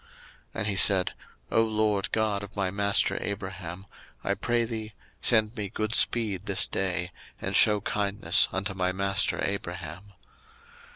01:024:012 And he said O LORD God of my master Abraham, I pray thee, send me good speed this day, and shew kindness unto my master Abraham.